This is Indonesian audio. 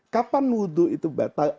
kapan wudhu itu batal